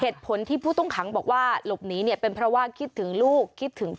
เหตุผลที่ผู้ต้องขังบอกว่าหลบหนีเนี่ยเป็นเพราะว่าคิดถึงลูกคิดถึงพ่อ